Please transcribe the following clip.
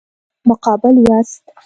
مقابل یاست.